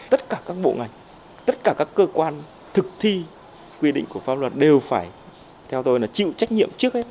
tất cả các bộ ngành tất cả các cơ quan thực thi quy định của pháp luật đều phải theo tôi là chịu trách nhiệm trước hết